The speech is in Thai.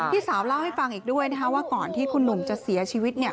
พี่สาวเล่าให้ฟังอีกด้วยนะคะว่าก่อนที่คุณหนุ่มจะเสียชีวิตเนี่ย